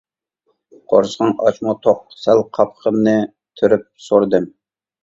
قورسىقىڭ ئاچمۇ توق؟ -سەل قاپىقىمنى تۈرۈپ، سورىدىم.